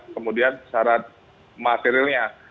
kemudian syarat materialnya